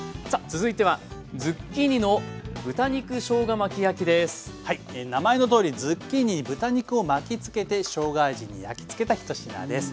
続いては名前のとおりズッキーニに豚肉を巻きつけてしょうが味に焼きつけた１品です。